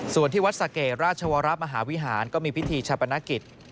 ส่วนที่วัดสะเกดราชวรมหาวิหารก็มีพิธีชาปนกิจ